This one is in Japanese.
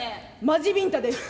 マジビンタです。